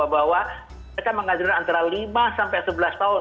bahwa mereka mengajukan antara lima sampai sebelas tahun